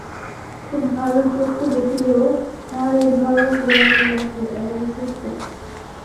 খুব ভাল চক্ষে দেখিলেও তাহাদের ধর্ম গোঁড়ামি মাত্র, এবং শুষ্ক।